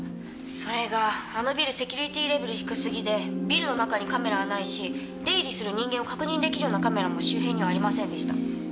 それがあのビルセキュリティーレベル低すぎでビルの中にカメラはないし出入りする人間を確認出来るようなカメラも周辺にはありませんでした。